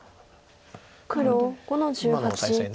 黒５の十八切り。